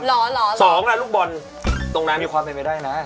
๖ลูกบนตรงนั้นมีความเป็นไม่ได้นะ